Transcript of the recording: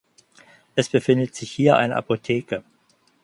Es befindet sich hier eine Apotheke.